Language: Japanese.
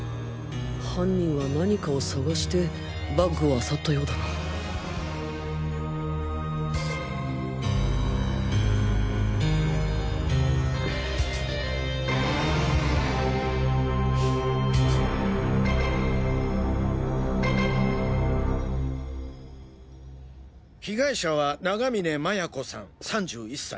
犯人は何かを探してバッグを漁ったようだな被害者は永峰麻也子さん３１歳。